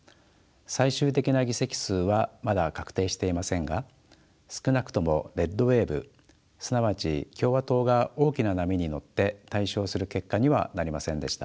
最終的な議席数はまだ確定していませんが少なくとも「レッド・ウェーブ」すなわち共和党が大きな波に乗って大勝する結果にはなりませんでした。